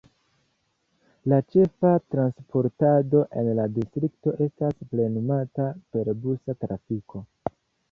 La ĉefa transportado en la distrikto estas plenumata per busa trafiko.